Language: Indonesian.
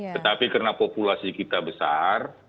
tetapi karena populasi kita besar